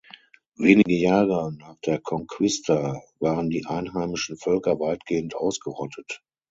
Wenige Jahre nach der Conquista waren die einheimischen Völker weitgehend ausgerottet.